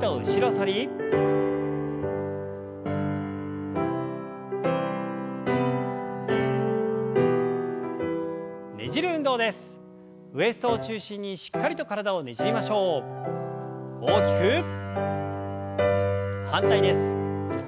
反対です。